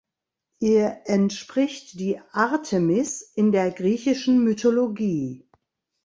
Ihr entspricht die Artemis in der griechischen Mythologie.